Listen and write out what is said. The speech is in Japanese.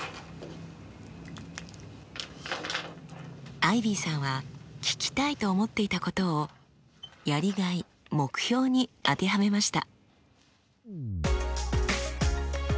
アイビーさんは聞きたいと思っていたことを「やりがい・目標」に当てはめました。